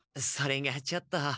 それがちょっと。